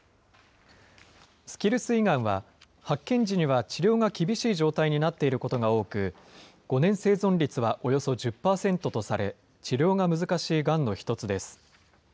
スキルス胃がんは、発見時には治療が厳しい状態になっていることが多く、５年生存率はおよそ１０％とされ、治療が難しいがんの１つです。